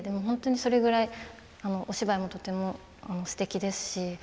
それくらいお芝居もとてもすてきですし。